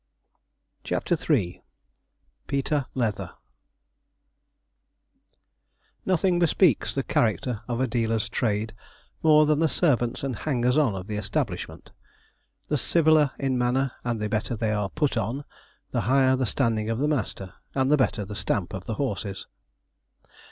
CHAPTER III PETER LEATHER Nothing bespeaks the character of a dealer's trade more than the servants and hangers on of the establishment. The civiler in manner, and the better they are 'put on,' the higher the standing of the master, and the better the stamp of the horses.